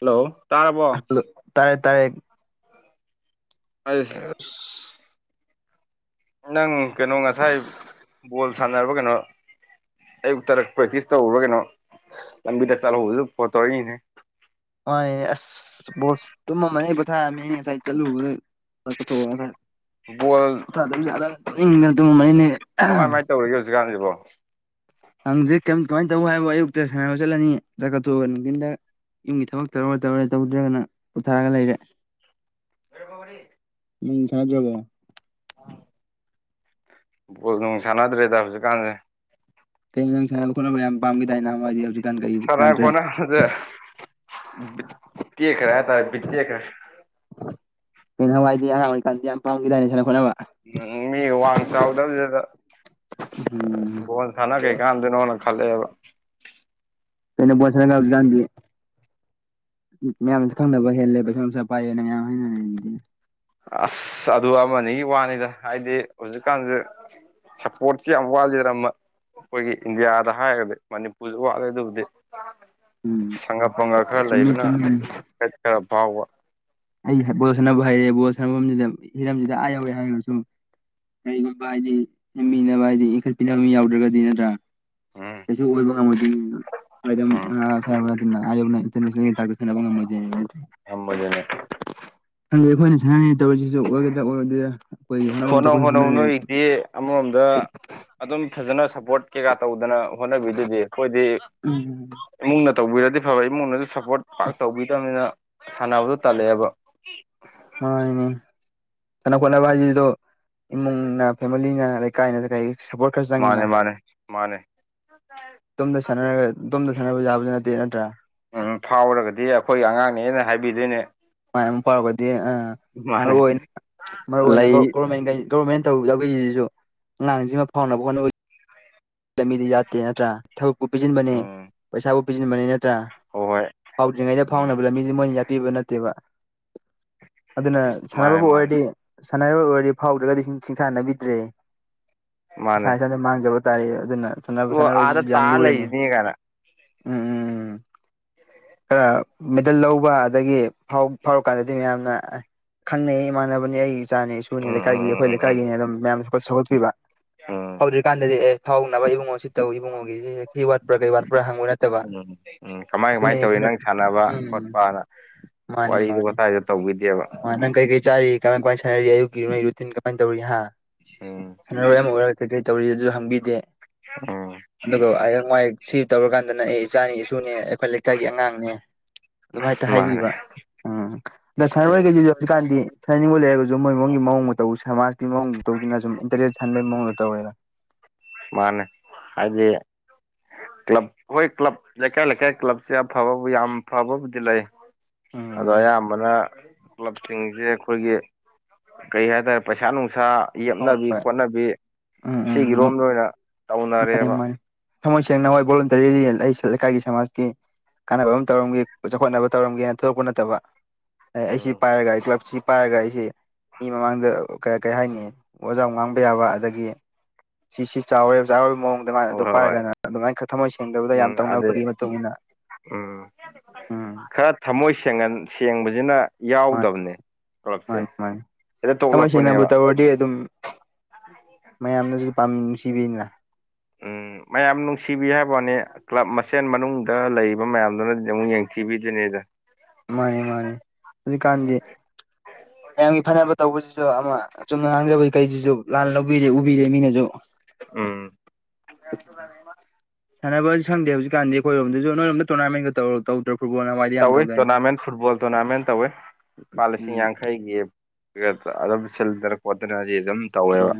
Hello ꯇꯥꯔꯕꯣ ꯇꯥꯔꯦ ꯇꯥꯔꯦ ꯑ [inaudible] ꯎ [unintelligible] ꯅꯪ ꯀꯩꯅꯣ ꯉꯁꯥꯏ ꯕꯣꯜ ꯁꯥꯟꯅꯕꯔꯥ ꯀꯩꯅꯣ ꯑꯌꯨꯛꯛꯇꯔ ꯄ꯭ꯔꯦꯛꯇꯤꯁ ꯇꯧꯕꯔ ꯀꯩꯅꯣ ꯂꯝꯕꯤꯗ ꯆꯠꯍꯧꯕꯗꯨꯗ ꯐꯣꯟ ꯇꯧꯔꯛꯢꯅꯤꯅꯦ ꯍ ꯑꯁ [inaudible] ꯕꯣꯁ ꯇꯨꯝꯃꯅꯦ ꯄꯣꯊꯥꯔꯃꯤꯅꯦ ꯉꯁꯥꯏ ꯆꯠꯂꯨꯕꯗ ꯕꯣꯜ ꯪꯅꯤꯡꯗꯅ ꯑꯗꯨꯝ ꯃꯅꯦ [inaudible] ꯀꯩꯔꯤꯒꯦ ꯍꯧꯖꯤꯛ ꯀꯥꯟꯁꯤꯕꯣ ꯍꯪꯖꯤꯛ ꯀꯩꯝ ꯀꯃꯥꯏꯅ ꯇꯧ ꯍꯥꯏꯕꯕꯨ ꯑꯌꯨꯛꯇ ꯁꯥꯟꯅꯕ ꯆꯠꯂꯅꯤ ꯆꯥꯛꯊꯣꯛꯑꯒ ꯅꯨꯡꯊꯤꯟꯗ ꯌꯨꯝꯒꯤ ꯊꯕꯛ ꯇꯧꯔ ꯇꯧꯔ ꯇꯧꯗ꯭ꯔꯒꯅ ꯄꯣꯊꯥꯔꯒ ꯂꯩꯔꯦ ꯔꯄꯕꯔꯤ [inaudible] ꯖꯤꯝ ꯁꯥꯟꯅꯗꯔꯕꯣ ꯕꯣꯜ ꯅꯨꯡ ꯁꯥꯟꯅꯗ꯭ꯔꯦꯗ ꯍꯧꯖꯤꯛꯀꯥꯟꯁꯦ ꯀꯩꯅꯣ ꯅꯪ ꯁꯥꯟꯅꯕ ꯈꯣꯠꯅꯕ ꯌꯥꯝ ꯄꯥꯝꯈꯤꯗꯥꯏꯅ ꯍꯥꯏꯗꯤ ꯍꯧꯖꯤꯛꯀꯥꯟ ꯀꯩ ꯁꯅꯗ꯭ꯔꯦ ꯑꯗ [inaudible] ꯕꯤꯠ ꯇꯦꯛꯈꯔꯦ ꯍꯥꯢꯇꯔꯦ ꯕꯤꯠ ꯇꯦꯛꯈꯔꯦ ꯀꯩꯅꯋꯥꯏꯗꯤ ꯑꯉꯥꯡ ꯑꯣꯏꯀꯥꯟꯗꯤ ꯌꯥꯝ ꯄꯥꯝꯈꯤꯗꯥꯏꯅꯦ ꯁꯥꯟꯅ ꯈꯣꯠꯅꯕ ꯎꯝ ꯃꯤꯒ ꯋꯥꯡ ꯆꯥꯎꯗꯗꯨꯗ ꯎꯝ ꯒꯣꯟ ꯁꯥꯟꯅ ꯀꯩ ꯀꯥꯟꯗꯅꯣꯅ ꯈꯜꯂꯛꯑꯦꯕ ꯀꯩꯅ ꯄꯣꯁꯔꯒꯥꯟꯤ ꯃꯌꯥꯝꯅꯁꯨ ꯈꯪꯅꯕ ꯍꯦꯜꯂꯦ ꯄꯩꯁꯥ ꯅꯨꯡꯁꯥ ꯄꯥꯏꯔꯦꯅ ꯃꯌꯥꯝ ꯍꯥꯏꯅꯔꯅ ꯑꯁ ꯑꯗꯨ ꯑꯃꯅꯤꯒꯤ ꯋꯥꯅꯤꯗ ꯍꯥꯏꯗꯤ ꯍꯧꯖꯤꯛꯀꯥꯟꯁꯦ ꯁꯞꯄꯣꯔꯠꯁꯤ ꯌꯥꯝ ꯋꯥꯠꯂꯤꯔꯝꯕ ꯑꯩꯈꯣꯏꯒꯤ ꯏꯟꯗꯤꯌꯥꯗ ꯍꯥꯏꯔꯒꯗꯤ ꯃꯅꯤꯄꯨꯔꯁꯨ ꯋꯥꯠꯂꯦ ꯑꯗꯨꯕꯨꯗꯤ ꯎꯝ ꯁꯪꯒ ꯄꯪꯒꯞ ꯈꯔ ꯆꯨꯝꯃꯤ ꯂꯩꯕꯅ ꯆꯨꯝꯃꯤ ꯍꯠ ꯈꯔ ꯐꯥꯎꯕ ꯑꯩ ꯕꯣꯜ ꯁꯥꯟꯅꯕ ꯍꯔꯦ ꯕꯣꯜ ꯁꯥꯟꯅꯕꯐꯝꯁꯤꯗ ꯍꯤꯔꯝꯁꯤꯗ ꯑꯥ ꯌꯧꯔꯦ ꯍꯥꯏꯔꯒꯁꯨ ꯀꯔꯤꯒꯨꯝꯕ ꯍꯥꯏꯗꯤ ꯁꯦꯝꯟꯃꯤꯅꯕ ꯍꯥꯏꯗꯤ ꯏꯟꯈꯠꯄꯤꯅꯕ ꯃꯤ ꯌꯥꯎꯗ꯭ꯔꯒꯗꯤ ꯅꯠꯇ꯭ꯔꯥ ꯎꯝ ꯏꯟꯜ ꯁꯕꯨ ꯎꯝ ꯉꯝꯣꯏꯖ ꯍꯝꯕꯗꯅꯦ ꯍꯪꯗꯛ ꯑꯩꯈꯣꯏꯅ ꯁꯥꯟꯅꯔꯤ ꯇꯧꯔꯤꯁꯤꯁꯨ ꯑꯣꯏꯒꯗ꯭ꯔꯥ ꯑꯣꯏꯔꯣꯏ꯭ꯔꯥ ꯑꯩꯈꯣꯏꯒꯤ ꯍꯣꯠꯅꯐꯝ ꯍꯣꯠꯅꯧ ꯊꯣꯛꯄꯁꯨ ꯍꯣꯠꯅꯧ ꯍꯣꯠꯅꯔꯒꯅꯤ ꯅꯣꯏꯒꯤꯗꯤ ꯑꯃꯔꯣꯝꯗ ꯑꯗꯨꯝ ꯐꯖꯅ ꯁꯞꯄꯣꯔꯠ ꯀꯩꯀꯥ ꯇꯧꯗꯅ ꯍꯣꯠꯅꯕꯤꯗꯨꯗꯤ ꯑꯩꯈꯣꯏꯗꯤ ꯎꯝ ꯏꯃꯨꯡꯅ ꯇꯧꯕꯤꯔꯗꯤ ꯐꯕ ꯏꯃꯨꯡꯅꯁꯨ ꯁꯞꯄꯣꯔꯠ ꯄꯥꯛ ꯇꯧꯕꯤꯗꯕꯅꯤꯅ ꯁꯥꯟꯅꯕꯗ ꯇꯜꯂꯛꯑꯦꯕ ꯃꯥꯣꯏꯅꯦ ꯁꯥꯟꯅ ꯈꯣꯠꯅꯕ ꯍꯥꯏꯁꯤꯗ ꯏꯃꯨꯡꯅ ꯐꯦꯃꯤꯂꯤꯅ ꯂꯩꯀꯥꯏꯅ ꯀꯩ ꯁꯞꯄꯣꯔꯠ ꯈꯔꯁꯨ ꯃꯥꯅꯦ ꯆꯪꯉꯤꯅ ꯃꯥꯅꯦ ꯃꯥꯅꯦ [inaudible] ꯇꯣꯝꯗ ꯁꯥꯟꯅꯔ ꯇꯣꯝꯗ ꯁꯥꯟꯅꯕ ꯌꯥꯕꯗꯤ ꯅꯠꯇꯦ ꯅꯠꯇ꯭ꯔꯥ ꯎꯝ ꯐꯥꯎꯔꯒꯗꯤ ꯑꯩꯈꯣꯏ ꯑꯉꯥꯡꯅꯦꯩꯅ ꯍꯥꯏꯕꯤꯗꯣꯏꯅꯦ ꯃꯥꯏ ꯑꯃ ꯐꯥꯎꯔꯒꯗꯤ ꯃꯥꯅꯦ ꯃꯔꯨ ꯃꯔꯨ ꯑꯣꯏꯅ ꯂꯩ ꯒꯣꯔꯃꯦꯟꯒ ꯒꯣꯣꯔꯔꯃꯦꯟ ꯇꯧꯔꯗꯕꯒꯤꯁꯤꯁꯨ ꯑꯉꯥꯡꯁꯤꯃ ꯐꯥꯎꯅꯕ ꯍꯣꯠꯅꯕ ꯂꯝꯕꯤꯗꯤ ꯌꯥꯠꯇꯦ ꯅꯠꯇ꯭ꯔꯥ ꯊꯕꯛꯄꯨ ꯄꯤꯁꯤꯟꯕꯅꯦ ꯎꯝ ꯄꯩꯁꯥꯕꯨ ꯄꯤꯁꯤꯟꯕꯅꯤ ꯅꯠꯇ꯭ꯔꯥ ꯍꯣꯏ ꯍꯣꯏ ꯐꯥꯎꯗ꯭ꯔꯤꯉꯩꯗ ꯎꯝ ꯐꯥꯎꯅꯕ ꯂꯝꯕꯤꯁꯦ ꯃꯣꯏꯅ ꯌꯥꯄꯤꯕ ꯅꯠꯇꯦꯕ ꯑꯗꯨꯅ ꯃꯥꯅꯦ ꯁꯥꯟꯅꯕꯕꯨ ꯃꯥꯅꯦ ꯑꯣꯏꯔꯗꯤ ꯁꯥꯟꯅꯕ ꯑꯣꯏꯔꯗꯤ ꯐꯥꯎꯗ꯭ꯔꯒꯗꯤ ꯁꯤꯡꯊꯥꯅꯕꯤꯗ꯭ꯔꯦ ꯏꯁꯥ ꯏꯁꯥꯗ ꯃꯥꯡꯖꯕ ꯇꯥꯔꯦ ꯑꯗꯨꯅ ꯁꯥꯟꯅꯕ ꯑꯣ ꯑꯥꯗ ꯁꯥꯟꯅꯔꯣꯏꯁꯤꯁꯨ ꯇꯥ ꯌꯥꯝ ꯂꯨꯔꯤꯅꯤ ꯂꯩꯅꯤ ꯀꯅꯥ ꯎꯝ ꯎꯝ ꯎꯝ ꯈꯔ ꯃꯦꯗꯜ ꯂꯧꯕ ꯑꯗꯒꯤ ꯐꯥꯎꯔꯛ ꯀꯥꯟꯗꯗꯤ ꯃꯌꯥꯝꯅ ꯈꯪꯅꯩ ꯏꯃꯥꯟꯅꯕꯅꯤ ꯑꯩ ꯏꯆꯥꯅꯤ ꯏꯁꯨꯅꯤ ꯎꯝ ꯎꯝ ꯂꯩꯀꯥꯏꯒꯤ ꯎꯝ ꯑꯩꯈꯣꯏ ꯎꯝ ꯎꯝ ꯂꯩꯀꯥꯏꯒꯤꯅꯦ ꯑꯗꯨꯝ ꯃꯌꯥꯝ ꯁꯒꯠ ꯁꯧꯒꯠꯄꯤꯕ ꯎꯝ ꯍꯧꯗ꯭ꯔꯤꯀꯥꯟꯗꯗꯤ ꯑꯦ ꯐꯥꯎꯅꯕ ꯏꯕꯨꯡꯉꯣ ꯁꯤ ꯇꯧ ꯏꯕꯨꯡꯉꯣꯒꯤ ꯁꯤ ꯋꯥꯠꯄ꯭ꯔꯥ ꯀꯩ ꯋꯥꯠꯄ꯭ꯔꯥ ꯍꯪꯉꯣꯏ ꯅꯠꯇꯕ ꯎꯝ ꯎꯝ ꯀꯃꯥꯏ ꯀꯃꯥꯏꯅ ꯑꯗꯨꯅꯤ ꯇꯧꯔꯤ ꯁꯅ ꯅꯪ ꯁꯥꯟꯅꯕ ꯎꯝ ꯈꯣꯠꯄꯅ ꯃꯥꯅꯤ ꯋꯥꯔꯤꯗꯨ ꯃꯥꯅꯤ ꯋꯥꯇꯥꯏꯗꯣ ꯇꯧꯕꯤꯗꯦꯕ ꯃꯥꯅ ꯀꯩ ꯀꯩ ꯆꯥꯔꯤ ꯀꯃꯥꯏ ꯀꯃꯥꯏ ꯁꯔꯤꯌꯨꯤꯟ ꯀꯃꯅ ꯇꯧꯔꯤꯍ ꯑ ꯁꯥꯟꯅꯔꯣꯏ ꯑꯃ ꯑꯣꯏꯔꯒ ꯀꯩꯀꯩ ꯇꯧꯔꯤ ꯑꯗꯨꯁꯨ ꯍꯪꯕꯤꯗꯦ ꯑꯣ ꯑꯗꯨꯒ ꯑꯩꯍꯥꯛ ꯃꯥꯏ ꯁꯤ ꯇꯧꯔꯀꯥꯟꯗꯅ ꯑꯩ ꯏꯆꯥꯅꯤ ꯏꯁꯨꯅꯦ ꯑꯩꯈꯣꯏ ꯏꯒꯤ ꯑꯉꯥꯡꯅꯦ ꯑꯗꯨꯝ ꯍꯥꯏꯛꯇ ꯃꯥꯅꯦ ꯍꯥꯏꯕꯤꯕ ꯎꯝ ꯑꯗꯣ ꯁꯔ ꯎꯝ ꯍꯣꯏꯈꯩꯁꯤꯁꯨ ꯍꯧꯖꯤꯛꯀꯥꯟꯗꯤ ꯁꯅꯤꯡꯕ ꯂꯩꯔꯒꯁꯨ ꯃꯣꯏ ꯃꯣꯏꯒꯤ ꯃꯑꯣꯡꯗ ꯇꯧ ꯁꯃꯥꯖꯀꯤ ꯃꯑꯣꯡꯗ ꯇꯧꯗꯅ ꯁꯨꯝ ꯏꯟꯇꯔꯦꯠ ꯁꯟꯕꯒꯤ ꯃꯑꯣꯡꯗ ꯇꯧꯔꯦꯒ ꯃꯥꯅꯦ ꯍꯥꯏꯦ ꯀ꯭ꯂꯕ ꯍꯣꯏ ꯀ꯭ꯂꯕ ꯂꯩꯀꯥꯏ ꯂꯩꯀꯥꯏ ꯀ꯭ꯂꯕꯁꯦ ꯑꯐꯕꯕꯨ ꯌꯥꯝ ꯐꯕꯕꯨꯗꯤ ꯂꯩ ꯑꯗꯣ ꯎꯝ ꯑꯌꯥꯝꯕꯅ ꯀ꯭ꯂꯕꯁꯤꯡꯁꯦ ꯑꯩꯈꯣꯏꯒꯤ ꯀꯩ ꯍꯥꯏꯇꯥꯔꯦ ꯄꯩꯁꯥ ꯅꯨꯡꯁꯥ ꯍꯣꯏ ꯌꯦꯞꯅꯕꯤ ꯍꯣꯏ ꯈꯣꯠꯅꯕꯤ ꯁꯤꯒꯤꯔꯣꯝꯗ ꯑꯣꯏꯅ ꯃꯥꯅꯦ ꯇꯧꯅꯔꯦꯕ ꯃꯥꯅꯦ ꯊꯃꯣꯏ ꯁꯦꯡꯅ ꯍꯣꯏ ꯚꯣꯟꯇꯔꯤ ꯂꯩꯀꯥꯏꯒꯤ ꯁꯃꯥꯖꯀꯤ ꯀꯥꯟꯅꯕ ꯑꯃ ꯇꯧꯔꯝꯒꯦ ꯆꯥꯎꯈꯠꯅꯕ ꯇꯧꯔꯝꯒꯦꯅ ꯊꯣꯛꯂꯛꯄ ꯅꯠꯇꯕ ꯑꯩ ꯁꯤ ꯎꯝ ꯄꯥꯏꯔꯒ ꯑꯩ ꯀ꯭ꯂꯞꯁꯤ ꯄꯥꯏꯔꯒ ꯑꯩꯁꯤ ꯃꯤ ꯃꯃꯥꯡꯗ ꯀꯩ ꯍꯥꯏꯅꯤ ꯑꯣꯖꯥ ꯉꯥꯡꯕ ꯌꯥꯕ ꯑꯗꯒꯤ ꯁꯤꯁꯤ ꯆꯥꯎꯔꯦꯕ ꯆꯥꯎꯔꯕ ꯃꯑꯣꯡꯗ ꯃꯥꯅ ꯑꯗꯨ ꯍꯣꯏ ꯍꯣꯏ ꯍꯣꯏ ꯄꯥꯏꯔꯒꯅ ꯑꯗꯨꯃꯥꯏꯅ ꯈ ꯊꯃꯣꯏ ꯁꯦꯡꯗꯕꯗ ꯌꯥꯝꯅ ꯎꯝ ꯑꯗꯨ ꯇꯧꯅꯕꯒꯤ ꯃꯇꯨꯡ ꯏꯟꯅ ꯎꯝ ꯎꯝ ꯈꯔ ꯊꯃꯣꯏ ꯁꯦꯡ ꯁꯦꯡꯕꯁꯤꯅ ꯃꯥꯅꯤ ꯌꯥꯎꯗꯕꯅꯦ ꯀ꯭ꯂꯕꯁꯦ ꯃꯥꯅꯤ ꯃꯥꯅꯤ ꯍꯦꯛꯇ ꯊꯃꯁꯤꯦꯡꯅꯕꯨ ꯇꯣꯛꯂꯛꯄꯅꯦꯕ ꯇ ꯋꯥꯔꯤꯗꯤ ꯑꯗꯨꯝ ꯃꯌꯥꯝꯅꯁꯨ ꯄꯥꯝ ꯅꯨꯡꯁꯤꯕꯤꯅ ꯎꯝ ꯃꯌꯥꯝ ꯅꯨꯡꯁꯤꯕꯤ ꯍꯥꯏꯕꯅꯤ ꯀ꯭ꯂꯕ ꯃꯁꯦꯟ ꯃꯅꯨꯡꯗ ꯂꯩꯔꯤꯕ ꯃꯌꯥꯝꯗꯨꯅꯗꯤ ꯑꯃꯨꯛ ꯌꯦꯡꯊꯤꯕꯤꯗꯣꯏꯅꯦꯗ ꯃꯥꯅꯤ ꯃꯥꯅꯦ ꯍꯧꯖꯤꯛꯀꯥꯟꯗꯤ ꯃꯌꯥꯝꯒꯤ ꯐꯅꯕ ꯇꯧꯕꯁꯤꯁꯨ ꯑꯃ ꯑ ꯆꯨꯝꯅ ꯉꯥꯡꯖꯕꯩ ꯀꯩꯁꯤꯁꯨ ꯂꯥꯟꯅ ꯂꯧꯕꯤꯔꯦ ꯎꯕꯤꯔꯦ ꯃꯤꯅꯁꯨ ꯎꯝ ꯁꯥꯟꯅꯕ ꯁꯪꯗꯦ ꯍꯧꯖꯤꯛꯀꯥꯟꯗꯤ ꯑꯩꯈꯣꯏꯔꯣꯝꯗꯁꯨ ꯅꯣꯏꯔꯣꯝꯗ ꯇꯣꯔꯅꯥꯃꯦꯟꯒ ꯇꯧꯔ ꯇꯧꯗ꯭ꯔ ꯐ ꯇꯧꯋꯤ ꯇꯣꯔꯅꯥꯃꯦꯟ ꯐꯨꯠꯕꯣꯜ ꯇꯣꯔꯅꯥꯃꯦꯟ ꯇꯧꯋꯤ ꯂꯨꯄꯥ ꯂꯤꯁꯤꯡ ꯌꯥꯡꯈꯩꯒꯤ ꯑꯗꯨꯝ ꯁꯤꯜꯗꯅ ꯈꯣꯠꯇꯅꯗꯤ ꯑꯗꯨꯝ ꯇꯧꯋꯦꯕ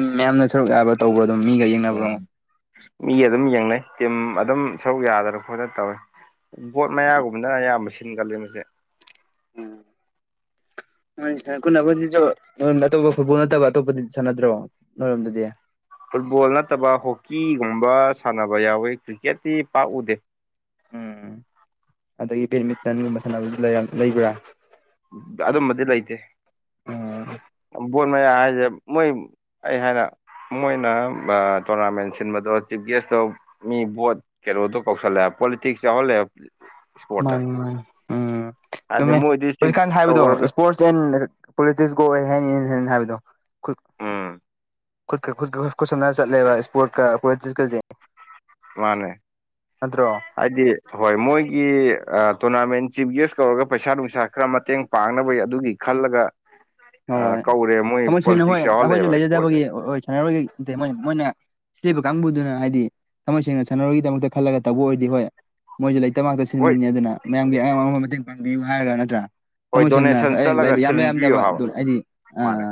ꯝ ꯃꯌꯥꯝꯅ ꯁꯔꯨꯛ ꯌꯥꯕ ꯇꯧꯕ꯭ꯔꯣ ꯑꯗꯨꯝ ꯃꯤꯒ ꯌꯦꯡꯅꯕꯗꯣ ꯎꯝ ꯃꯤ ꯑꯗꯨꯝ ꯌꯦꯡꯅꯩ ꯇꯤꯝ ꯑꯗꯨꯝ ꯁꯔꯨꯛ ꯌꯥꯗꯅ ꯈꯣꯠꯠꯇꯅ ꯇꯧꯏꯤ ꯕꯣꯠ ꯃꯌꯥꯒꯨꯝꯕꯅ ꯑꯌꯥꯝꯕ ꯁꯤꯟꯒꯂ ꯃꯁꯦ ꯣꯏ ꯁꯥꯟꯅꯕꯁꯤꯁꯨ ꯑꯇꯣꯞꯄ ꯐꯨꯠꯕꯣꯜ ꯅꯠꯇꯕ ꯑꯇꯣꯞꯄꯗꯤ ꯁꯥꯟꯅꯗ꯭ꯔꯣ ꯅꯣꯏꯔꯝꯗꯨꯗꯤ ꯐꯨꯠꯕꯣꯜ ꯅꯠꯇꯕ ꯍꯣꯛꯀꯤꯒꯨꯝꯕ ꯁꯥꯟꯅꯕ ꯌꯥꯎꯋꯤ ꯀ꯭ꯔꯤꯛꯀꯦꯠꯇꯤ ꯄꯥꯛꯎꯗꯦ ꯎꯝ ꯑꯗꯒꯤ ꯕꯦꯠꯃꯤꯇꯟꯒꯨꯝꯕ ꯁꯥꯟꯅꯕ ꯂꯩꯕ꯭ꯔꯥ ꯑꯗꯨꯝꯕꯗꯤ ꯂꯩꯇꯦ ꯎꯝ ꯕꯣꯠ ꯃꯌꯥ ꯍꯥꯏꯁꯦ ꯃꯣꯏ ꯑꯩ ꯍꯥꯏꯅ ꯃꯣꯏꯅ ꯇꯣꯔꯅꯥꯃꯦꯟ ꯁꯤꯟꯕꯗꯣ ꯆꯤꯐ ꯒꯦꯁꯇꯣ ꯃꯤ ꯣꯠ ꯀꯦꯔꯣꯗꯣ ꯀꯧꯁꯂꯦ ꯄꯣꯂꯤꯇꯤꯛꯁ ꯌꯥꯍꯜ ꯂꯩꯦ ꯃꯥꯅꯤ ꯃꯥꯅꯤ ꯎꯝ ꯍꯥꯏꯗꯤ ꯆꯨꯝꯃꯦ ꯃꯣꯏꯗꯤ ꯆꯤꯞ ꯍꯧꯖꯤꯛꯀꯥꯟ ꯍꯥꯏꯕꯗꯣ ꯀꯧꯔꯒ ꯏꯁꯄꯣꯔꯠꯁ ꯑꯦꯟ ꯄꯣꯂꯤꯇꯤꯛꯁꯀꯣ ꯑꯣꯏ ꯍꯦꯟꯅ ꯏꯟ ꯍꯦ ꯍꯥꯏꯕꯗꯣ ꯎꯝ ꯈꯨꯠꯀ ꯈꯨꯠꯀ ꯈꯨꯠꯁꯝꯅ ꯆꯠꯂꯦꯕ ꯏꯁꯄꯣꯔꯠꯀꯀꯁꯦ ꯃꯥꯅꯦ ꯅꯠꯇ꯭ꯔꯣ ꯍꯥꯏꯗꯤ ꯍꯣꯏ ꯃꯣꯏꯒꯤ ꯇꯣꯔꯅꯥꯃꯦꯟ ꯆꯤꯞ ꯒꯦꯁ ꯀꯧꯔꯒ ꯄꯩꯁꯥ ꯅꯨꯡꯁꯥ ꯈꯔ ꯃꯇꯦꯡ ꯄꯥꯡꯅꯕ ꯑꯗꯨꯒꯤ ꯈꯜꯂꯒ ꯍꯣꯏ ꯀꯧꯔꯦ ꯃꯣꯏ ꯊꯃꯣꯏ ꯁꯦꯡꯅ ꯍꯣꯏ ꯄꯣꯂꯤꯇꯤꯛꯁ ꯑꯩꯈꯣꯏꯁꯨ ꯌꯥꯎꯍꯜꯂꯛꯑꯦꯕ ꯏꯁꯄꯣꯔꯠꯁꯦ ꯂꯩꯖꯗꯕꯒꯤ ꯍꯣꯏ ꯁꯥꯟꯅꯔꯣꯏꯒꯤ ꯅ ꯃꯣꯏ ꯃꯣꯏꯅ ꯁꯤꯕ ꯀꯥꯡꯕꯨꯗꯨꯅ ꯍꯥꯏꯗꯤ ꯊꯃꯣꯏ ꯁꯦꯡꯅ ꯁꯥꯟꯅꯔꯣꯏꯒꯤꯗꯃꯛꯇ ꯈꯜꯂꯒ ꯇꯧꯕ ꯑꯣꯏꯗꯤꯦ ꯍꯣꯏ ꯃꯣꯏꯁꯨ ꯂꯩꯇ ꯉꯥꯛꯇ ꯍꯣꯏ ꯁꯤꯟꯕꯅꯤ ꯑꯗꯨꯅ ꯃꯌꯥꯝꯒꯤ ꯑꯌꯥꯝꯕꯉꯝꯕ ꯃꯇꯦꯡ ꯄꯥꯡꯕꯤꯌꯨ ꯍꯥꯏꯔꯒ ꯅꯠꯇ꯭ꯔꯥ ꯍꯣꯏ ꯊꯃꯣꯏ ꯁꯦꯡꯅ ꯗꯣꯅꯦꯁꯟ ꯆꯠꯂꯒ ꯂꯩꯕ ꯌꯥꯝꯕ ꯊꯤꯟꯕꯤꯌꯨ ꯌꯥꯝꯗꯕ ꯍꯥꯏꯕ ꯑꯗꯨ ꯑꯩꯗꯤ ꯑ ꯃꯥꯅꯦ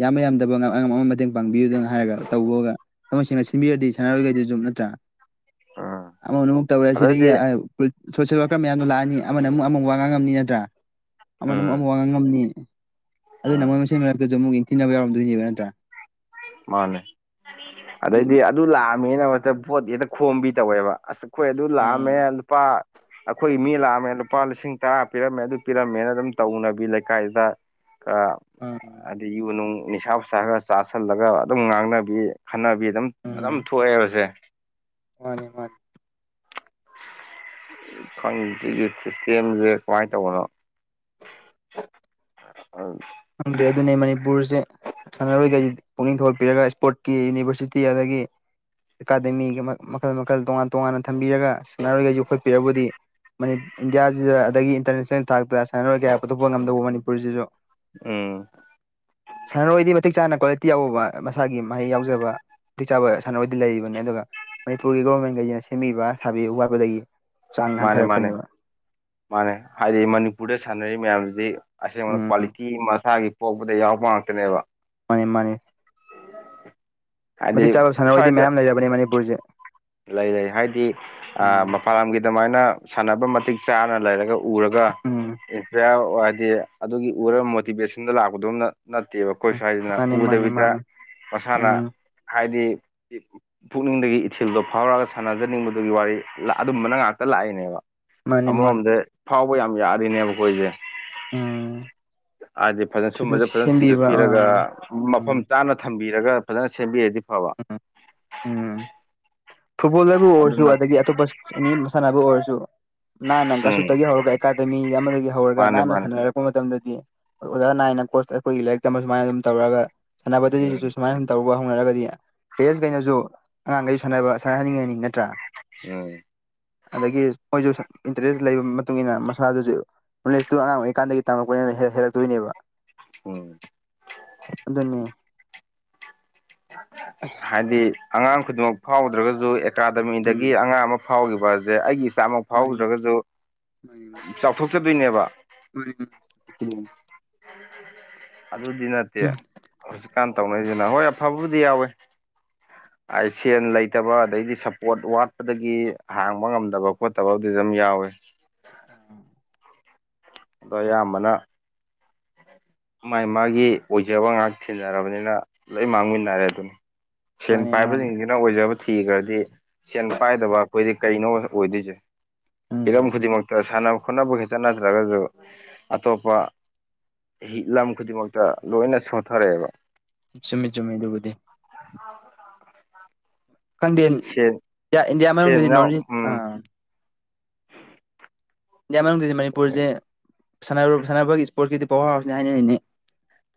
ꯌꯥꯝꯕ ꯌꯥꯝꯗꯕ ꯑ ꯑꯃ ꯃꯇꯦꯡ ꯄꯥꯡꯕꯤꯌꯨꯗꯅ ꯍꯥꯏꯔꯒ ꯇꯧꯕꯒ ꯊꯃ ꯁꯦꯡꯅ ꯁꯤꯟꯕꯤꯔꯗꯤ ꯁꯥꯟꯅꯔꯣꯏꯈꯩꯗꯨ ꯁꯨꯝ ꯅꯠꯇ꯭ꯔꯥ ꯎꯝ ꯑꯃ ꯑꯃꯨꯛ ꯇꯧꯔꯦ ꯁꯤꯗꯒꯤ ꯑꯗꯩꯗꯤ ꯁꯣꯁꯦꯜ ꯋꯥꯔꯀꯔ ꯃꯌꯥꯝꯗꯣ ꯂꯥꯛꯑꯅꯤ ꯑꯃꯅ ꯑꯃꯨꯛ ꯑꯃꯨꯛ ꯋꯥꯉꯥꯡ ꯉꯝꯅꯤ ꯅꯠꯇ꯭ꯔꯥ ꯑꯃꯅ ꯑꯃꯨꯛ ꯑꯃ ꯎꯝ ꯋꯥꯉꯥꯡ ꯉꯝꯅꯤ ꯑꯗꯨꯅ ꯎꯝ ꯃꯣꯏ ꯃ ꯃꯁꯤꯟ ꯃꯔꯛꯇꯁꯨ ꯑꯃꯨꯛ ꯅꯤꯡꯊꯤꯅꯕ ꯌꯥꯎꯔꯝꯗꯣꯏꯅꯦꯕ ꯅꯠꯇ꯭ꯔꯥ ꯃꯥꯅꯦ ꯑꯗꯩꯗꯤ ꯁꯤꯗꯒꯤ ꯑꯗꯨ ꯂꯥꯛꯑꯝꯃꯦꯅ ꯍꯛꯇ ꯄꯣꯠꯇꯤ ꯍꯦꯛꯇ ꯈꯣꯝꯕꯤ ꯇꯧꯋꯦꯕ ꯑꯁ ꯑꯩꯈꯣꯏ ꯑꯗꯨ ꯎꯝ ꯂꯥꯛꯑꯝꯃꯦ ꯂꯨꯄꯥ ꯑꯩꯈꯣꯏ ꯃꯤ ꯂꯥꯛꯑꯝꯃꯦ ꯂꯨꯄꯥ ꯂꯤꯁꯤꯡ ꯇꯔꯥ ꯄꯤꯔꯝꯃꯦ ꯑꯗꯨ ꯄꯤꯔꯝꯃꯦꯅ ꯑꯗꯨꯝ ꯇꯧꯅꯕꯤ ꯂꯩꯀꯥꯏꯗ ꯑ ꯎꯝ ꯑꯗꯨꯗꯩ ꯌꯨ ꯅꯨꯡ ꯅꯤꯁꯥ ꯁꯥ ꯈꯒ ꯆꯥ ꯇꯥꯥꯁꯜꯂꯒ ꯑꯗꯨꯝ ꯉꯥꯡꯅꯕꯤ ꯈꯠꯅꯕꯤ ꯑꯗꯨꯝ ꯑꯗꯨꯝ ꯊꯣꯛꯑꯦ ꯍꯧꯁꯦ ꯃꯥꯅꯦ ꯃꯥꯅꯦ ꯈꯪ ꯁꯤꯒꯤ ꯁꯤꯁꯇꯦꯝꯁꯦ ꯀꯃꯥꯏꯅ ꯇꯧꯕꯅꯣ ꯑ ꯈꯪꯗꯦ ꯑꯗꯨꯅꯤ ꯃꯅꯤꯄꯨꯔꯁꯦ ꯁꯥꯟꯅꯔꯣꯏꯈꯩ ꯄꯨꯛꯅꯤꯡ ꯊꯧꯒꯠꯄꯤꯔꯒ ꯏꯁꯄꯣꯔꯠꯀꯤ ꯌꯨꯅꯤꯚꯔꯁꯤꯇꯤ ꯑꯗꯒꯤ ꯑꯦꯀꯥꯗꯃꯤꯒ ꯃꯈꯜ ꯃꯈꯜ ꯇꯣꯉꯥꯟ ꯇꯣꯉꯥꯟꯅ ꯊꯝꯕꯤꯔꯒ ꯁꯥꯟꯅꯔꯣꯏꯒ ꯌꯣꯛꯈꯠꯄꯤꯔꯕꯨꯗꯤ ꯏꯟꯗꯤꯌꯥꯖꯤꯗ ꯑꯗꯒꯤ ꯏꯟꯇꯔꯅꯦꯁꯅꯦꯜ ꯊꯥꯛꯇ ꯁꯥꯟꯅꯔꯣꯏ ꯀꯌꯥ ꯄꯨꯊꯣꯛꯄ ꯉꯝꯗꯧꯕ ꯃꯅꯤꯄꯨꯔꯁꯤꯁꯨ ꯎꯝ ꯁꯥꯟꯅꯔꯣꯏꯗꯤ ꯃꯇꯤꯛ ꯆꯥꯅ ꯀ꯭ꯋꯥꯂꯤꯇꯤ ꯌꯥꯎꯕ ꯃꯁꯥꯒꯤ ꯃꯍꯩ ꯌꯥꯎꯖꯕ ꯃꯇꯤꯛ ꯆꯥꯕ ꯁꯥꯟꯅꯅꯕꯣꯏꯗꯤ ꯂꯩꯔꯤꯕꯅꯤ ꯑꯗꯨꯒ ꯃꯅꯤꯄꯨꯔꯒꯤ ꯒꯣꯔꯃꯦꯟꯈꯩꯁꯤꯅ ꯁꯦꯝꯕꯤꯕ ꯁꯥꯕꯤꯕ ꯋꯥꯠꯄꯗꯒꯤ ꯆꯥꯡ ꯃꯥꯅꯦ ꯃꯥꯅꯦ ꯍꯟꯊꯔꯛꯄꯅꯦꯕ ꯃꯥꯅꯦ ꯍꯥꯏꯗꯤ ꯃꯅꯤꯄꯨꯔꯗ ꯁꯥꯟꯅꯔꯤꯕ ꯃꯌꯥꯝꯁꯤꯗꯤ ꯑꯁꯦꯡꯕꯅ ꯎꯝ ꯎꯝ ꯀ꯭ꯋꯥꯂꯤꯇꯤ ꯃꯁꯥꯒꯤ ꯄꯣꯛꯄꯗ ꯌꯥꯎꯄ ꯉꯥꯛꯇꯅꯦꯕ ꯃꯥꯅꯦ ꯃꯥꯅꯦ ꯍꯥꯏꯗꯤ ꯃꯇꯤꯛ ꯆꯥꯕ ꯁꯥꯟꯅꯔꯣꯏꯗꯤ ꯃꯌꯥꯝ ꯂꯩꯔꯕꯅꯤ ꯃꯅꯤꯄꯨꯔꯁꯦ ꯂꯩꯔꯦ ꯍꯥꯏꯗꯤ ꯎꯝ ꯃꯄꯥꯟ ꯂꯝꯒꯤ ꯑꯗꯨꯃꯥꯏꯅ ꯁꯥꯟꯅꯕ ꯃꯇꯤꯛ ꯆꯥꯅ ꯂꯩꯔꯒ ꯎꯔꯒ ꯎꯝ ꯏꯟꯁꯄꯤꯌꯥꯔ ꯍꯥꯏꯗꯤ ꯑꯗꯨꯒꯤ ꯎꯔꯒ ꯃꯣꯇꯤꯚꯦꯁꯟꯗ ꯂꯥꯛꯄꯗꯣꯝꯅ ꯅꯠꯇꯦꯕ ꯑꯩꯈꯣꯏ ꯎꯝ ꯁ꯭ꯋꯥꯏꯗꯅ ꯃꯥꯅꯦ ꯃꯥꯅꯦ ꯎꯗꯕꯤꯗ ꯃꯥꯅꯦ ꯃꯁꯥꯅ ꯎꯝ ꯍꯥꯏꯗꯤ ꯄꯨꯛꯅꯤꯡꯗꯒꯤ ꯏꯊꯤꯜ ꯐꯤꯜꯗꯣ ꯐꯥꯎꯔꯒ ꯁꯥꯟꯅꯖꯅꯤꯡꯕꯗꯨꯒꯤ ꯋꯥꯔꯤ ꯑꯗꯨꯝꯕꯅ ꯉꯥꯛꯇ ꯂꯥꯛꯏꯅꯦꯕ ꯃꯥꯅꯦ ꯃꯥꯅꯦ ꯑꯃꯔꯣꯝꯗ ꯐꯥꯎꯕ ꯌꯥꯝ ꯌꯥꯔꯤꯅꯦꯕ ꯑꯩꯈꯣꯏꯁꯦ ꯎꯝ ꯍꯥꯏꯗꯤ ꯐꯖꯅ ꯁꯤꯗ ꯁꯨꯝꯕꯁꯦ ꯐꯖꯅ ꯁꯦꯝꯕꯤꯕ ꯆꯤꯡꯒꯠꯄꯤꯔꯒ ꯑꯥ ꯃꯐꯝ ꯎꯝ ꯆꯥꯅ ꯊꯝꯕꯤꯔꯒ ꯐꯖꯅ ꯁꯦꯝꯕꯤꯔꯗꯤ ꯐꯕ ꯎꯝ ꯐꯨꯠꯕꯣꯜꯗꯕꯨ ꯑꯣꯏꯔꯁꯨ ꯑꯗꯨꯅ ꯑꯗꯒꯤ ꯑꯇꯣꯞꯄ ꯑꯦꯅꯤ ꯃꯁꯥꯟꯕꯨ ꯑꯣꯏꯔꯁꯨ ꯅꯥꯅꯪ ꯎꯝ ꯀꯁꯨꯠꯇꯒꯤ ꯍꯧꯔꯒ ꯑꯦꯀꯥꯗꯃꯤ ꯑꯃꯗꯒꯤ ꯍꯧꯔꯒ ꯃꯥꯅꯦ ꯅꯥꯟꯅ ꯃꯥꯅꯦ ꯁꯥꯟꯅꯔꯛ ꯄ ꯃꯇꯝꯗꯗꯤ ꯑꯣꯖꯥ ꯅꯥꯏꯅ ꯀꯣꯆ ꯑꯩꯈꯣꯏꯒꯤ ꯂꯥꯏꯔꯤꯛ ꯇꯝꯕ ꯁꯨꯃꯥꯏꯅ ꯑꯗꯨꯝ ꯇꯧꯔꯒ ꯎꯝ ꯁꯥꯟꯅꯕꯗꯁꯨ ꯁꯨꯃꯥꯏꯅ ꯇꯧꯕ ꯍꯧꯅꯔꯒꯗꯤ ꯄꯦꯔꯦꯟꯁꯈꯩꯅꯁꯨ ꯑꯉꯥꯡꯈꯩꯁꯨ ꯁꯥꯟꯅꯕ ꯁꯥꯟꯅ ꯍꯥꯏꯅꯤꯡꯉ ꯍꯥꯏꯅꯤꯡ ꯅꯠꯇ꯭ꯔꯥ ꯎꯝ ꯑꯗꯒꯤ ꯃꯣꯏꯁꯨ ꯏꯟꯇꯔꯦꯁ ꯂꯩꯕꯒꯤ ꯃꯇꯨꯡ ꯏꯟꯅ ꯃꯁꯥꯗꯁꯨ ꯅꯣꯂꯁꯇꯨ ꯑꯉꯥꯡ ꯑꯣꯏꯔꯤꯀꯥꯟꯗꯒꯤ ꯇꯝꯃꯛꯄꯅꯤꯅ ꯍꯦꯜꯂꯛꯇꯣꯏꯅꯦꯕ ꯎꯝ ꯑꯗꯨꯅꯦ ꯍꯥꯏꯗꯤ ꯑꯉꯥꯡ ꯈꯨꯗꯤꯡꯃꯛ ꯐꯥꯎꯗ꯭ꯔꯒꯁꯨ ꯎꯝ ꯑꯦꯀꯥꯗꯃꯤꯗꯒꯤ ꯑꯉꯥꯡ ꯑꯃ ꯐꯥꯎꯈꯤꯕꯁꯦ ꯑꯩꯒꯤ ꯆꯥꯝꯃ ꯃꯥꯅꯤ ꯐꯥꯎꯗ꯭ꯔꯒꯁꯨ ꯃꯥꯅꯤ ꯆꯥꯎꯊꯣꯛꯆꯗꯣꯏꯅꯦꯕ [unintelligible] [inaudible] ꯑꯗꯨꯗꯤ ꯅꯠꯇꯦ ꯍꯧꯖꯤꯛꯀꯥꯟ ꯇꯧꯅꯔꯤꯁꯤꯅ ꯍꯣꯏ ꯑꯐꯕꯕꯨꯗꯤ ꯌꯥꯎꯋꯦ ꯁꯦꯟ ꯂꯩꯇꯕ ꯑꯗꯩꯗꯤ ꯁꯞꯄꯣꯔꯠ ꯋꯥꯠꯄꯗꯒꯤ ꯍꯥꯡꯕ ꯉꯝꯗꯕ ꯈꯣꯠꯇꯕ ꯑꯗꯨꯁꯨ ꯑꯗꯨꯝ ꯌꯥꯎꯋꯦ [inaudible] ꯑꯗꯣ ꯑꯌꯥꯝꯕꯅꯥ ꯃꯥꯥꯏ ꯃꯥꯒꯤ ꯑꯣꯏꯖꯕ ꯉꯥꯏꯍꯥꯛ ꯊꯤꯟꯅꯔꯕꯅꯤꯅ ꯂꯣꯏ ꯃꯥꯡꯃꯤꯟꯅꯔꯦ ꯑꯗꯨꯅꯤ ꯁꯦꯟ ꯃꯥꯅꯤ ꯃꯥꯅꯦ ꯃꯥꯅꯦ ꯄꯥꯏꯕꯁꯤꯡꯁꯤꯅ ꯑꯣꯏꯖꯕ ꯊꯤꯈ꯭ꯔꯗꯤ ꯁꯦꯟ ꯄꯥꯏꯗꯕ ꯑꯩꯈꯣꯏꯗꯤ ꯀꯩꯅꯣ ꯑꯣꯏꯗꯣꯏꯁꯦ ꯎꯝ ꯍꯤꯔꯝ ꯈꯨꯗꯤꯡꯃꯛꯇ ꯁꯥꯟꯅ ꯈꯣꯠꯅꯕ ꯈꯈꯤꯛꯇ ꯅꯠꯇ꯭ꯔꯒꯁꯨ ꯑꯇꯣꯞꯄ ꯂꯝ ꯈꯨꯗꯤꯡꯃꯛꯇ ꯂꯣꯏꯅ ꯁꯣꯊꯔꯛꯑꯦꯕ ꯆꯨꯝꯃꯤ ꯆꯨꯝꯃꯤ ꯑꯗꯨꯕꯨꯗꯤ ꯀꯗ ꯁꯦꯟ ꯏꯟꯗꯤꯌꯥ ꯁꯦꯟ ꯃꯅꯨꯡꯗꯗꯤ ꯌꯥꯎ ꯅꯣꯔꯠ ꯏꯁ ꯑ ꯎꯝ ꯏꯟꯗꯤꯌꯥ ꯃꯅꯨꯡꯗꯤ ꯃꯅꯤꯄꯨꯔꯁꯦ ꯁ ꯁꯅꯕꯣꯏꯒꯤ ꯏꯁꯄꯣꯔꯠꯀꯤꯗꯤ ꯄꯋꯥꯔ ꯍꯥꯎꯁꯅꯤ ꯍꯥꯏꯅꯔꯤꯅꯤ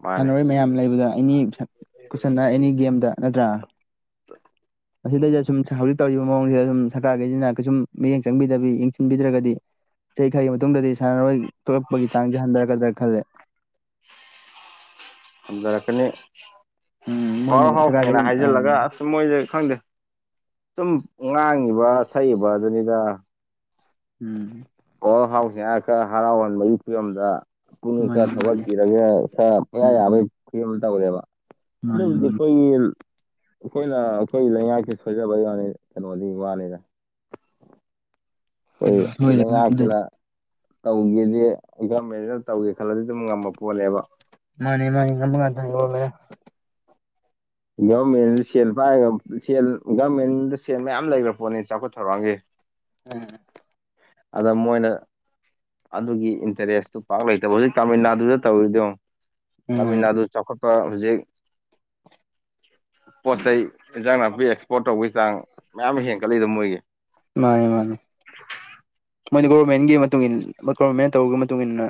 ꯃꯥꯅꯦ ꯁꯥꯟꯅꯔꯣꯏ ꯃꯌꯥꯝ ꯂꯩꯕꯗ ꯑꯦꯅꯤ ꯈꯨꯆꯟꯅ ꯑꯦꯅꯤ ꯒꯦꯝꯗ ꯅꯠꯇ꯭ꯔꯥ ꯑꯁꯤꯗꯩꯗ ꯎꯝ ꯇꯧꯔꯤꯕ ꯃꯑꯣꯡꯁꯤꯗ ꯁꯨꯝ ꯁꯔꯀꯥꯔꯒꯤꯁꯤꯅ ꯀꯩꯁꯨꯝ ꯃꯤꯠꯌꯦꯡ ꯆꯪꯕꯤꯗꯕꯤ ꯌꯦꯡꯁꯤꯟꯕꯤꯗ꯭ꯔꯒꯗꯤ ꯆꯍꯤ ꯈꯔꯒꯤ ꯃꯇꯨꯡꯗꯗꯤ ꯁꯥꯟꯅꯔꯣꯏ ꯊꯣꯛꯂꯛꯄꯒꯤ ꯆꯥꯡꯁꯦ ꯍꯟꯊꯔꯛꯀꯗ꯭ꯔꯥ ꯈꯜꯂꯦ ꯊꯝꯖꯔꯛꯀꯅꯤ ꯎꯝ ꯄꯥꯎ ꯃꯣꯏꯅ ꯍꯥꯎ ꯁꯦꯡꯅ ꯁꯔꯀꯥꯔꯈꯩꯁꯤꯅ ꯑꯥ ꯍꯥꯏꯖꯤꯜꯂꯒꯥ ꯑꯁ ꯁꯨꯝ ꯃꯣꯏꯁꯦ ꯈꯪꯗꯦ ꯁꯨꯝ ꯉꯥꯡꯉꯤꯕ ꯁꯛꯏꯅ ꯑꯗꯨꯅꯤꯗꯥ ꯎꯝ ꯑꯣ ꯍꯥꯎ ꯍꯌꯥ ꯈꯔ ꯍꯔꯥꯎꯍꯟꯕꯒꯤ ꯐꯤꯕꯝꯗ ꯄꯨꯛꯅꯤꯡ ꯈꯔ ꯃꯥꯅꯤ ꯃꯥꯅꯤ ꯊꯧꯒꯠꯄꯤꯔꯒ ꯈꯔ ꯄꯨꯡꯌꯥ ꯎꯝ ꯌꯥꯕꯒꯤ ꯐꯤꯕꯝ ꯇꯧꯔꯦꯕ ꯃꯥꯅꯤ ꯑꯗꯨꯕꯨꯗꯤ ꯃꯥꯅꯤ ꯑꯈꯣꯏꯒꯤ ꯑꯈꯣꯏꯅ ꯑꯈꯣꯏ ꯂꯩꯉꯥꯛꯁꯦ ꯁꯣꯏꯖꯕ ꯌꯥꯅꯤ ꯀꯩꯅꯣꯗꯤ ꯋꯥꯅꯤꯗ ꯑꯈꯣꯏ ꯂꯣꯏꯔꯦ ꯑꯗꯨꯅꯤ ꯂꯩꯉꯥꯛꯁꯤꯅ ꯇꯧꯒꯦꯗꯤ ꯒꯃꯦꯟꯅ ꯇꯧꯒꯦ ꯈꯜꯂꯗꯤ ꯑꯗꯨꯝ ꯉꯝꯕ ꯄꯣꯠꯅꯦꯕ꯫ ꯃꯥꯅꯦ ꯃꯥꯅꯤ ꯉꯝꯕ ꯉꯛꯇꯅꯤ [unintelligible] ꯒꯚꯔꯃꯦꯟꯗ ꯁꯦꯜ ꯄꯥꯏꯔꯒ ꯁꯦꯜ ꯒꯔꯃꯦꯟꯗ ꯁꯦꯜ ꯃꯌꯥꯝ ꯂꯩꯈ꯭ꯔ ꯄꯣꯠꯅꯤ ꯆꯥꯎꯈꯠ ꯊꯧꯔꯥꯡꯒꯤ꯫ [inaudible] ꯎꯝ ꯑꯗ ꯃꯣꯏꯅ ꯑꯗꯨꯒꯤ ꯏꯟꯇꯔꯦꯁꯇꯨ ꯄꯥꯛ ꯂꯩꯇꯕ ꯍꯧꯖꯤꯛ ꯇꯥꯃꯤꯜ ꯅꯥꯗꯨꯗ ꯇꯧꯔꯤꯗꯣ ꯌꯣ꯫ ꯇꯥꯃꯤꯜ ꯎꯝ ꯅꯥꯗꯨ ꯆꯥꯎꯈꯠꯄꯥ ꯍꯧꯖꯤꯛ ꯄꯣꯠ ꯆꯩꯩ ꯏꯟꯖꯥꯡ ꯅꯥꯄꯤ ꯑꯦꯛꯁꯄꯣꯔꯠ ꯇꯧꯕꯒꯤ ꯆꯥꯡ ꯃꯌꯥꯝ ꯑꯃ ꯍꯦꯟꯒꯠꯂꯤꯗꯣ ꯃꯣꯏꯒꯤ ꯃꯥꯅꯤ ꯃꯥꯅꯤ ꯃꯣꯏꯗꯤ ꯒꯣꯔꯃꯦꯟꯒꯤ ꯃꯇꯨꯡ ꯏ ꯒꯣꯔꯃꯦꯟꯅ ꯇꯧꯔꯒꯤ ꯃꯇꯨꯡ ꯏꯟꯅ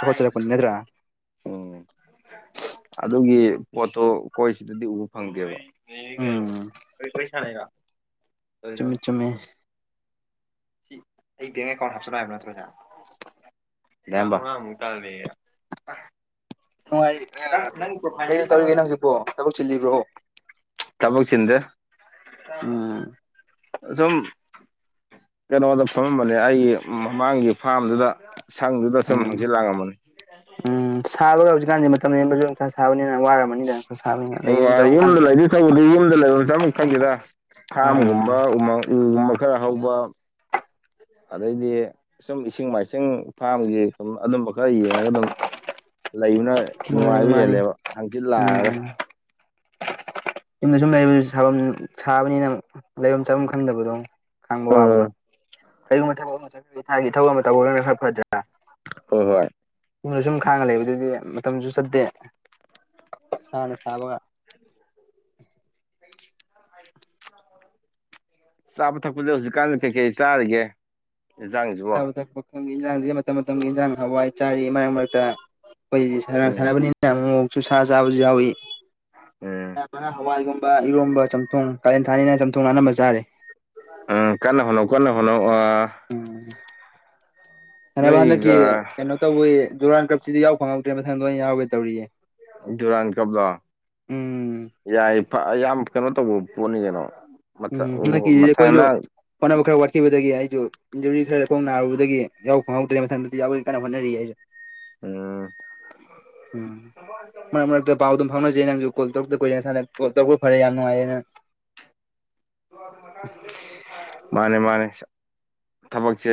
ꯆꯥꯎꯈꯠꯆꯔꯛꯄꯅꯤ ꯅꯠꯇ꯭ꯔꯥ ꯎꯝ ꯑꯗꯨꯒꯤ ꯄꯣꯠꯇꯣ ꯑꯈꯣꯏ ꯁꯤꯗꯗꯤ ꯎꯕ ꯐꯪꯗꯦꯕ꯫ ꯎꯝ [unintelligible] [unintelligible] ꯃꯦ ꯁꯤ ꯑꯩ [unintelligible] ꯍꯥꯞꯆꯜꯂꯛ ꯍꯥꯏꯕ ꯅꯠꯇ꯭ꯔꯖꯥ [unintelligible] ꯅꯨꯡꯉꯥꯏ ꯀꯩ ꯀꯩ ꯇꯧꯔꯤꯒꯦ ꯍꯧꯖꯤꯛꯄꯣ ꯊꯕꯛ ꯆꯤꯜꯂꯤꯕ꯭ꯔꯣꯍ ꯊꯕꯛ ꯆꯤꯟꯗꯦ ꯎꯝ ꯑꯁꯨꯝ ꯀꯩꯅꯣꯗ ꯐꯝꯃꯝꯕꯅꯦ ꯑꯩꯒꯤ ꯃꯃꯥꯡꯒꯤ ꯐꯥꯔꯝꯗꯨꯗ ꯁꯪꯗꯨꯗ ꯁꯨꯝ ꯎꯝ ꯍꯪꯆꯤꯠ ꯂꯥꯡꯂꯝꯝꯕꯅꯤ ꯎꯝ ꯁꯥꯕꯒ ꯍꯧꯖꯤꯛꯀꯥꯟꯗꯤ ꯃꯇꯝ ꯂꯦꯟꯕꯁꯨ ꯈꯔ ꯁꯥꯕꯅꯤꯅ ꯋꯥꯔꯝ [unintelligible] ꯑꯣ ꯌꯨꯝꯗ ꯂꯩꯗꯤ ꯊꯧꯕꯗꯤ ꯌꯨꯝꯗ ꯂꯩꯐꯝꯁꯦ ꯑꯃꯨꯛ ꯈꯪꯗꯦꯗ꯫ ꯎꯝ ꯐꯥꯝꯒꯨꯝꯕ ꯎ ꯎꯒꯨꯝꯕ ꯈꯔ ꯍꯧꯕ ꯑꯗꯩꯗꯤ ꯁꯨꯝ ꯏꯁꯤꯡ ꯃꯥꯏꯁꯤꯡ ꯐꯥꯝꯒꯤ ꯁꯨꯝ ꯑꯗꯨꯝꯕ ꯈꯔ ꯌꯦꯡꯉꯒ ꯑꯗꯨꯝ ꯂꯩꯕꯅ ꯃꯥꯅꯤ ꯅꯨꯡꯉꯥꯏꯕ ꯃꯥꯅꯤ ꯍꯦꯜꯂꯦꯕ ꯍꯪꯆꯤꯠ ꯂꯥꯡꯑꯒ꯫ ꯎꯝ ꯌꯨꯝꯗ ꯁꯨꯝ ꯂꯩ ꯁꯥꯐꯝ ꯁꯥꯕꯅꯤꯅ ꯂꯩꯔꯝ ꯆꯥꯐꯝ ꯈꯪꯗꯕꯗꯣ ꯈꯥꯡꯕ ꯋꯥꯕꯗꯣ꯫ ꯎꯝ ꯀꯔꯤꯒꯨꯝꯕ ꯊꯕꯛ ꯑꯃ ꯆꯠ ꯊꯥꯒꯤ ꯊꯕꯛ ꯑꯃ ꯇꯧꯕꯒꯅ ꯈꯔ ꯐꯗ꯭ꯔꯥ꯫ ꯍꯣꯏ ꯍꯣꯏ ꯁꯨꯝꯅ ꯁꯨꯝ ꯈꯥꯡꯉ ꯂꯩꯕ ꯑꯗꯨꯗꯤ ꯃꯇꯝꯁꯨ ꯆꯠꯇꯦ ꯏꯁꯥꯅ ꯁꯥꯕꯒ꯫ [inaudible] [unintelligible] ꯆꯥꯕ ꯊꯛꯄꯁꯦ ꯍꯧꯖꯤꯛꯀꯥꯟꯗꯤ ꯀꯩꯀꯩ ꯑꯩ ꯆꯥꯔꯤꯒꯦ꯫ ꯑꯦꯟꯖꯥꯡꯁꯨ ꯆꯥꯕ ꯊꯛꯄꯪꯗꯦ ꯏꯟꯖꯥꯡꯁꯦ ꯃꯇꯝ ꯃꯇꯝꯒꯤ ꯏꯟꯖꯥꯡ ꯍꯋꯥꯏ ꯆꯥꯔꯤ ꯃꯔꯛ ꯃꯔꯛꯇ ꯑꯩꯈꯣꯏ ꯎꯝ ꯁꯥꯟꯅꯕꯅꯤꯅ ꯑꯃ ꯃꯣꯛꯁꯨ ꯁꯥ ꯆꯥꯕꯁꯨ ꯌꯥꯎꯏ ꯎꯝ ꯍꯋꯥ ꯏꯔꯣꯝꯕ ꯆꯝꯊꯣꯡ ꯀꯥꯂꯦꯟ ꯊꯥꯅꯤꯅ ꯆꯝꯊꯣꯡ ꯅꯥꯅꯕ ꯆꯥꯔꯦ꯫ ꯎꯝ ꯀꯥꯟꯅ ꯍꯣꯅꯧ ꯀꯥꯟꯅ ꯍꯣꯅꯧ ꯑꯥ ꯎꯝ ꯁꯥꯟꯅꯕ ꯍꯟꯗꯛꯀꯤ ꯅꯣꯏꯒ ꯀꯩꯅꯣ ꯇꯧꯋꯤ ꯗꯨꯔꯥꯟ ꯀꯞꯁꯤꯗꯤ ꯌꯥꯎ ꯐꯪꯉꯧꯗ꯭ꯔꯦ ꯃꯊꯪꯗ ꯑ ꯑꯣꯏꯅ ꯌꯥꯎꯒꯦ ꯇꯧꯔꯤꯌꯦ꯫ ꯗꯨꯨꯔꯥꯟ ꯀꯞꯗ ꯎꯝ ꯌꯥꯏ ꯌꯥꯝ ꯀꯩꯅꯣ ꯇꯧꯕ ꯄꯣꯠꯅꯤ ꯀꯩꯅꯣ ꯎꯝ ꯃꯊ ꯍꯟꯗꯛꯀꯤ ꯑꯩꯈꯣꯏꯁꯨ ꯃꯊꯪꯅ ꯐꯥꯟꯅꯕ ꯈꯔ ꯋꯥꯠꯈꯤꯕꯗꯒꯤ ꯑꯩꯗꯨ ꯏꯟꯖꯨꯔꯤ ꯈꯔ ꯈꯣꯡ ꯅꯥꯔꯨꯕꯗꯒꯤ ꯌꯥꯎ ꯐꯪꯍꯧꯗ꯭ꯔꯦ ꯃꯊꯗꯗꯤ ꯌꯥꯎꯗꯤ ꯀꯟꯅ ꯍꯣꯠꯅꯔꯤꯔꯦ ꯑꯩꯁꯨ꯫ ꯎꯝ ꯎꯝ ꯃꯔꯛ ꯃꯔꯛꯇ [unintelligible] ꯄꯥꯎ ꯑꯗꯨꯝ ꯐꯥꯎꯅꯖꯩ ꯅꯪꯁꯨ ꯀꯣꯜ ꯇꯧꯛꯇ ꯀꯏ ꯅꯁꯥꯅ ꯀꯣ ꯇꯧꯔꯛ ꯐꯔꯦ ꯌꯥꯝ ꯅꯨꯡꯉꯥꯏꯔꯅ ꯃꯥꯅꯦ ꯃꯥꯅꯦ ꯊꯕꯛꯁꯦ